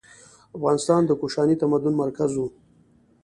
افغانستان د کوشاني تمدن مرکز و.